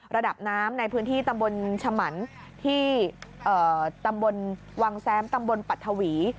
ระดับน้ำในพื้นที่ตำบลฉมันที่ตำบลวังแซมตำบลปัทธวี